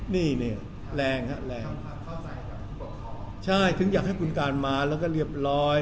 นี่นี่แรงฮะแรงใช่ถึงอยากให้คุณการมาแล้วก็เรียบร้อย